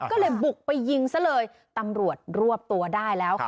ก็เลยบุกไปยิงซะเลยตำรวจรวบตัวได้แล้วค่ะ